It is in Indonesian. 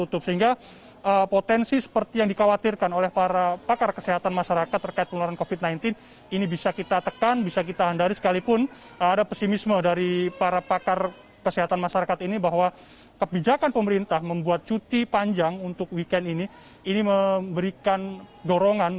jadi kami tetap membatasi jumlah